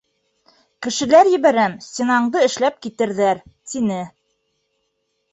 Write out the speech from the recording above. Кешеләр ебәрәм, стенаңды эшләп китерҙәр, тине.